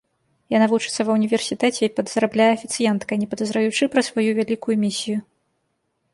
Яна вучыцца ва ўніверсітэце і падзарабляе афіцыянткай, не падазраючы пра сваю вялікую місію.